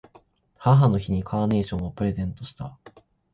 母の日にカーネーションをプレゼントした。